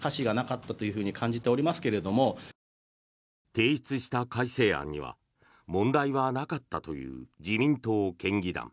提出した改正案には問題はなかったという自民党県議団。